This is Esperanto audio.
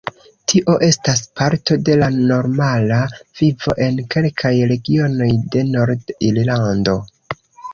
Tio estas parto de la normala vivo en kelkaj regionoj de Nord-Irlando.